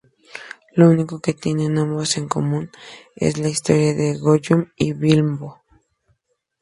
Lo único que tienen ambos en común es la historia de Gollum y Bilbo.